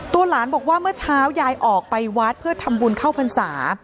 หลานบอกว่าเมื่อเช้ายายออกไปวัดเพื่อทำบุญเข้าพรรษา